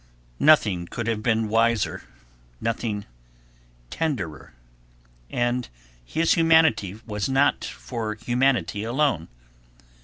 Nothing could have been wiser, nothing tenderer, and his humanity was not for humanity alone.